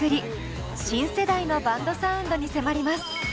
新世代のバンドサウンドに迫ります。